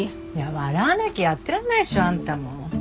笑わなきゃやってらんないでしょあんたも。